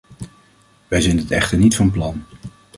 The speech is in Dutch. Wij zijn dit echter niet van plan.